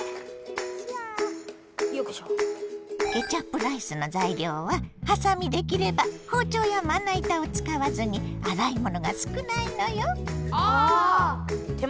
ケチャップライスの材料ははさみで切ればほうちょうやまないたをつかわずにあらいものが少ないのよ。